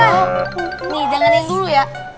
iyalah nih dengerin dulu ya